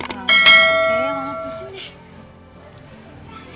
oke mama pusing deh